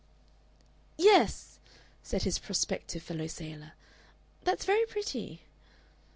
"Yes," said his prospective fellow sailor, "that's very pretty."